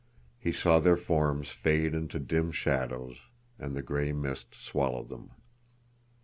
He saw their forms fade into dim shadows, and the gray mist swallowed them.